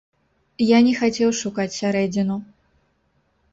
Я не хацеў шукаць сярэдзіну.